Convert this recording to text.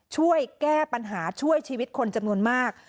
ช่วยแก้ปัญหาช่วยชีวิตคนจำนวนมาก